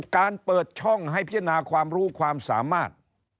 เปิดช่องให้พิจารณาความรู้ความสามารถ